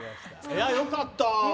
いや、良かった。